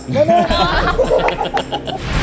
ก็เต็ม